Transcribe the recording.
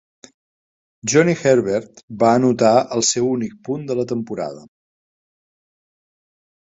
Johnny Herbert va anotar el seu únic punt de la temporada.